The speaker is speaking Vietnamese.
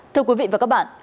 thưa quý vị và các bạn